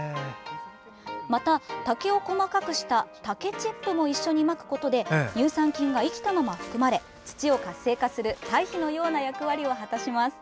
また竹を細かくした竹チップも一緒にまくことで乳酸菌が生きたまま含まれ土を活性化する堆肥のような役割を果たします。